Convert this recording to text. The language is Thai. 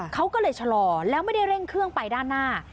เขาก็เลยชะลอแล้วไม่ได้เร่งเครื่องไปด้านหน้า